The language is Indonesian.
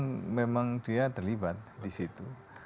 yang memang dia terlibat di situ